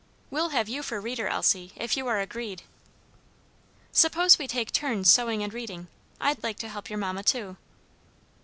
We'll have you for reader, Elsie, if you are agreed." "Suppose we take turns sewing and reading? I'd like to help your mamma, too."